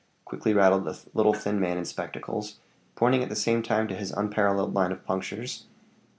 quickly rattled a little thin man in spectacles, pointing at the same time to his unparalleled line of punctures.